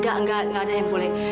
nggak nggak nggak ada yang boleh